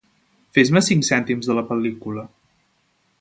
Fes-me cinc cèntims de la pel·lícula.